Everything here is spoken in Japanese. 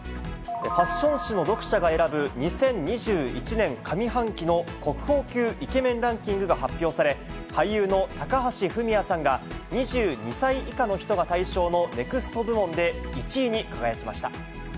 ファッション誌の読者が選ぶ２０２１年上半期の国宝級イケメンランキングが発表され、俳優の高橋文哉さんが、２２歳以下の人が対象のＮＥＸＴ部門で１位に輝きました。